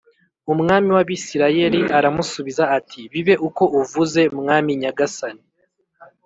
Umwami w’Abisirayeli aramusubiza ati “Bibe uko uvuze, mwami nyagasani